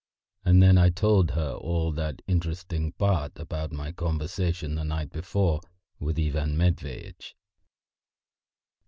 And then I told her all that interesting part of my conversation the night before with Ivan Matveitch.